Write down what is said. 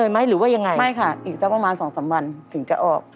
ไม่ค่ะอีกประมาณ๒๓วันถึงจะออก